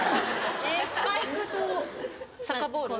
スパイクとサッカーボール？